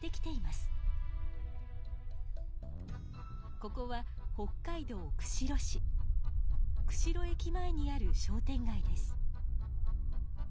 ここは釧路駅前にある商店街です。